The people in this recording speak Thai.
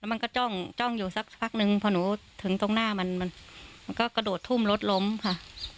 มันก็จ้องจ้องอยู่สักพักนึงพอหนูถึงตรงหน้ามันมันก็กระโดดทุ่มรถล้มค่ะ